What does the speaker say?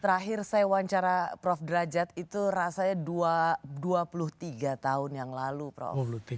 terakhir saya wawancara prof derajat itu rasanya dua puluh tiga tahun yang lalu prof